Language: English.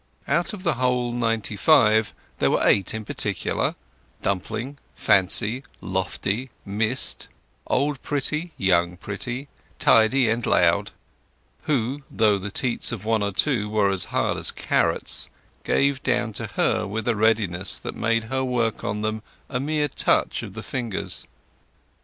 Out of the whole ninety five there were eight in particular—Dumpling, Fancy, Lofty, Mist, Old Pretty, Young Pretty, Tidy, and Loud—who, though the teats of one or two were as hard as carrots, gave down to her with a readiness that made her work on them a mere touch of the fingers.